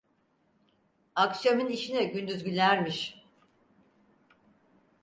Akşamın işine gündüz gülermiş…